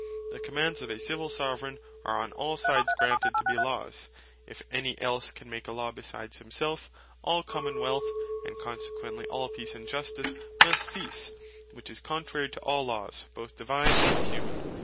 The Commands of Civill Soveraigns are on all sides granted to be Laws: if any else can make a Law besides himselfe, all Common wealth, and consequently all Peace, and Justice must cease; which is contrary to all Laws, both Divine and Humane.